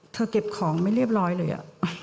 เก็บของไม่เรียบร้อยเลย